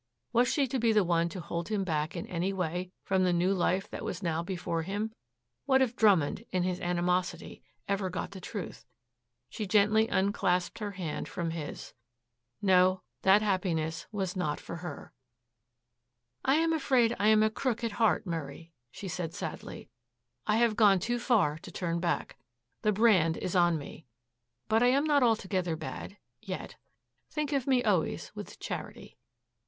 Was she to be the one to hold him back in any way from the new life that was now before him? What if Drummond, in his animosity, ever got the truth? She gently unclasped her hand from his. No, that happiness was not for her. "I am afraid I am a crook at heart, Murray," she said sadly. "I have gone too far to turn back. The brand is on me. But I am not altogether bad yet. Think of me always with charity.